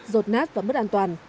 rột nát và mất an toàn